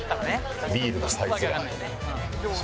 ビールのサイズが。